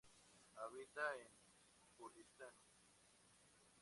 Habita en Kurdistán.